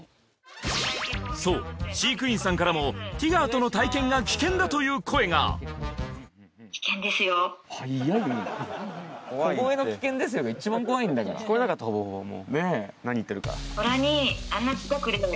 そう飼育員さんからもティガーとの体験が危険だという声が小声の「危険ですよ」が一番怖いんだから聞こえなかったほぼほぼもう何言ってるか